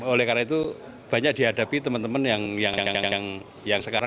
oleh karena itu banyak dihadapi teman teman yang sekarang